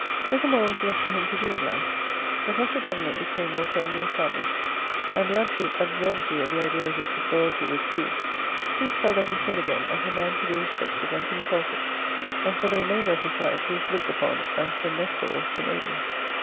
Little more was left for him to do in life, but as the government became more firmly established, and the absolute absurdity of the idea of his disloyalty was proved, Pepys held up his head again as a man to be respected and consulted, and for the remainder of his life he was looked upon as the Nestor of the Navy.